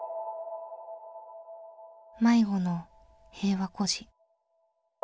迷子の「平和孤児」。